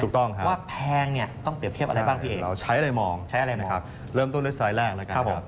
ถูกต้องครับเราใช้อะไรมองเริ่มต้นด้วยสไลด์แรกนะครับ